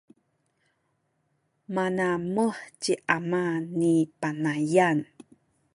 manamuh ci ama ci Panayan.